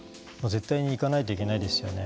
絶対に行かないといけないですよね。